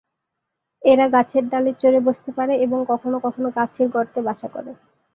এরা গাছের ডালে চড়ে বসতে পারে এবং কখনো কখনো গাছের গর্তে বাসা করে।